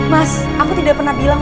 mas aku tidak pernah bilang